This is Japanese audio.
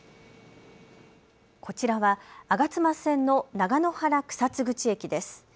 こちらは吾妻線の長野原草津口駅です。